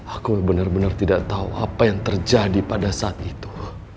aku benar benar tidak tahu apa yang terjadi pada saat itu